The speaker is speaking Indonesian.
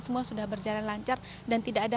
semua sudah berjalan lancar dan tidak ada